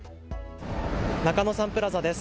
中野サンプラザです。